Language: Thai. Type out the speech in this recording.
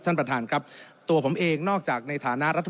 ท่านประธานครับตัวผมเองนอกจากในฐานะรัฐ